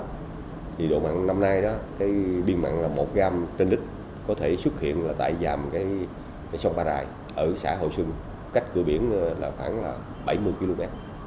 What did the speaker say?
thì đồ mặn năm nay đó cái biên mặn là một gram trên đích có thể xuất hiện là tại dàm cái sông ba rài ở xã hội xuân cách cửa biển là khoảng là bảy mươi km